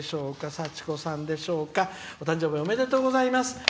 さちこさんでしょうかお誕生日おめでとうございます。